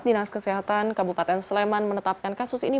dinas kesehatan kabupaten sleman menetapkan kasus ini